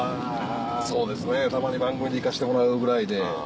そうですねたまに番組で行かせてもらうぐらいで。